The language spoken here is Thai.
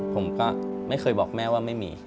ผมก็ไม่เคยบอกแม่ว่าไม่มี